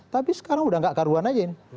tapi sekarang sudah tidak karuan saja ini